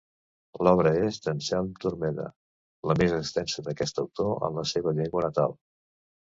L'obra és d'Anselm Turmeda, la més extensa d'aquest autor en la seva llengua natal.